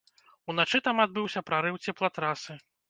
Уначы там адбыўся прарыў цеплатрасы.